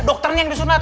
dokternya yang disunat